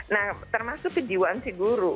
nah termasuk kejiwaan si guru